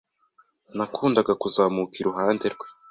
Nakundaga kuzamuka iruhande rwe